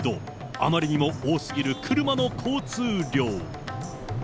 あまりにも多すぎる車の交通量。